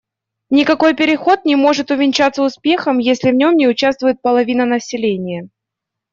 Никакой переход не может увенчаться успехом, если в нем не участвует половина населения.